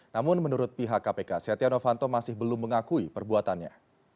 namun menurut pihak kpk setia novanto masih belum mengakui perbuatannya